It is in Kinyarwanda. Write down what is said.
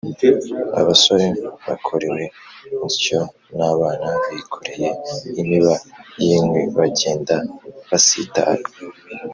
Abasore bakorewe insyo, N’abana bikoreye imiba y’inkwi, Bagenda basitara.